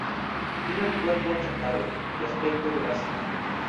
Tiene el cuerpo achatado, de aspecto grácil.